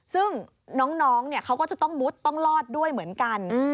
ซึ่งน้องเขาก็จะต้องมุดต้องรอดด้วยเหมือนกัน